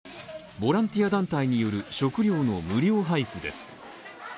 ボランティア団体による食料の無料配布です。